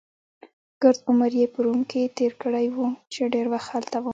ګرد عمر يې په روم کې تېر کړی وو، چې ډېر وخت هلته و.